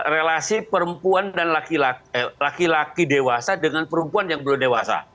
relasi perempuan dan laki laki dewasa dengan perempuan yang belum dewasa